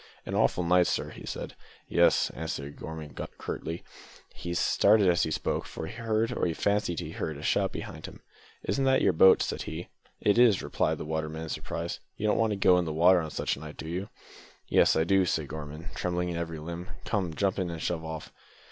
"An awful night, sir," he said. "Yes," answered Gorman curtly. He started as he spoke, for he heard, or he fancied he heard, a shout behind him. "Is that your boat?" said he. "It is," replied the waterman in surprise, "you don't want to go on the water on such a night, do you?" "Yes, I do," said Gorman, trembling in every limb; "come, jump in, and shove off."